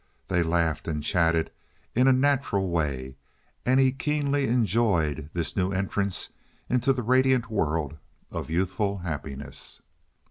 They laughed and chatted in a natural way, and he keenly enjoyed this new entrance into the radiant world of youthful happiness.